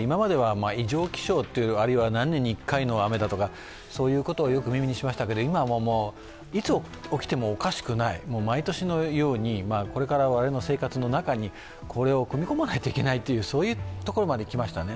今までは異常気象、あるいは何年に一回の雨だとか、そういうことをよく耳にしましたけど、今はいつ起きてもおかしくない、毎年のようにこれから我々の生活の中に、これを組み込まなきゃいけないというところまで来ましたね。